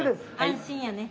安心やね。